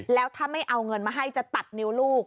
แล้วถ้าไม่เอาเงินมาให้จะตัดนิ้วลูก